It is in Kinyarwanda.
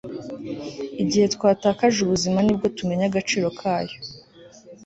igihe twatakaje ubuzima ni bwo tumenya agaciro kayo